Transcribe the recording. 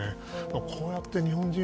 こうやって日本人、